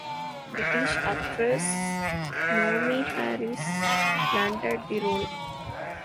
British actress Naomie Harris landed the role.